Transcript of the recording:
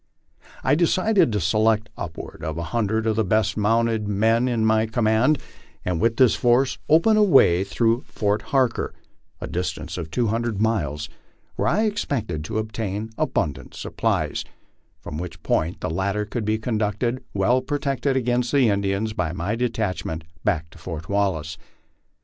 I decided to select upward of a hundred of the best mounted men in my command, and with this force open a way through to Fort Barker, a distance of two hundred miles, where I expected to obtain abundant supplies ; from which point the latter could be conducted, well protected against Indians by my detachment, back to Fort Wallace.